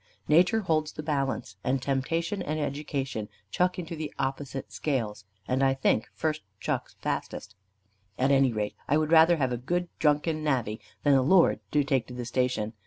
Nature holds the balance, and temptation and education chuck into the opposite scales, and I think the first chucks fastest. At any rate I would rather have a good drunken navvy than a lord to take to the station.